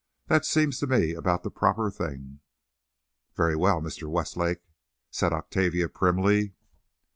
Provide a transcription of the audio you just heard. That seems to me about the proper thing." "Very well, Mr. Westlake," said Octavia, primly.